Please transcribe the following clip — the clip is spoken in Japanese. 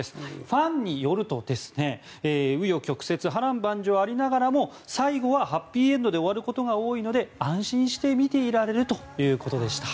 ファンによると紆余曲折、波瀾万丈ありながらも最後はハッピーエンドで終わることが多いので安心して見ていられるということでした。